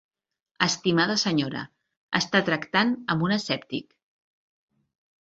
Estimada senyora, està tractant amb un escèptic.